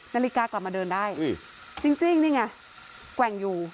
นาฬิกากลับมาเดินได้จริงนี่ไงแกว่งอยู่